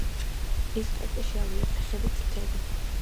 ნისკარტი შავია, ფეხები წითელი.